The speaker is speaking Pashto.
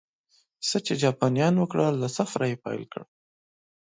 څه چې جاپانيانو وکړل، له صفر نه یې پیل کړل